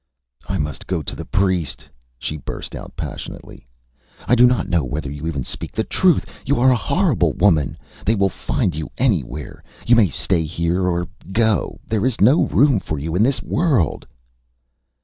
ÂI must go to the priest,Â she burst out passionately. ÂI do not know whether you even speak the truth! You are a horrible woman. They will find you anywhere. You may stay here or go. There is no room for you in this world.